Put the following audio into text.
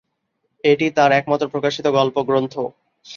এটি তার একমাত্র প্রকাশিত গল্পগ্রন্থ।